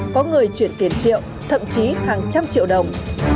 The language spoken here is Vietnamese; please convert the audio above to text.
có người chuyển tiền triệu thậm chí hàng trăm triệu đồng